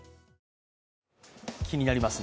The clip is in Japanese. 気になりますね。